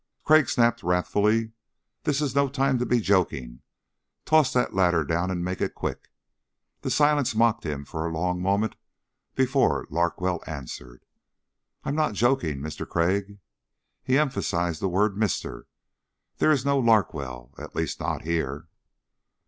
Crag snapped wrathfully: "This is no time to be joking. Toss that ladder down and make it quick." The silence mocked him for a long moment before Larkwell answered. "I'm not joking, Mister Crag." He emphasized the word Mister. "There is no Larkwell. At least, not here."